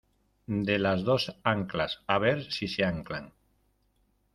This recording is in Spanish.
de las dos anclas, a ver si se anclan.